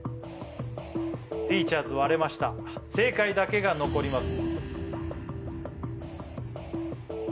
ティーチャーズ割れました正解だけが残ります